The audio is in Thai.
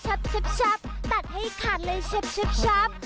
อ้าวตัดให้ขาดเลยชับ